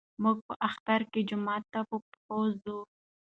موږ په اختر کې جومات ته په پښو ځو.